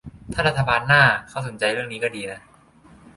ถ้ารัฐบาลหน้าเขาสนใจเรื่องนี้ก็ดีนะ